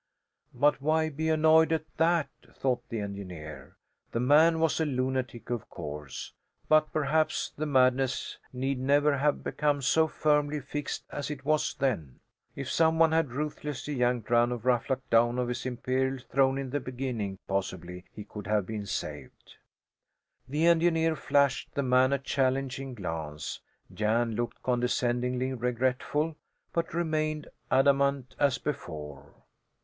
But why be annoyed at that? thought the engineer. The man was a lunatic of course. But perhaps the madness need never have become so firmly fixed as it was then. If some one had ruthlessly yanked Jan of Ruffluck down off his imperial throne in the beginning possibly he could have been saved. The engineer flashed the man a challenging glance. Jan looked condescendingly regretful, but remained adamant as before.